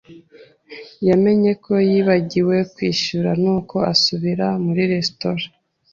yamenye ko yibagiwe kwishyura, nuko asubira muri resitora.